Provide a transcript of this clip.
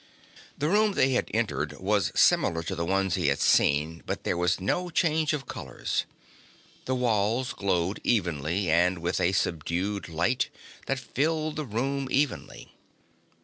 The room they had entered was similar to the others he had seen, but there was no change of colors. The walls glowed evenly and with a subdued light that filled the room evenly.